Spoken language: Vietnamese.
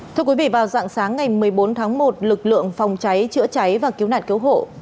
thưa quý vị vào dạng sáng ngày một mươi bốn tháng một lực lượng phòng cháy chữa cháy và cứu nạn cứu hộ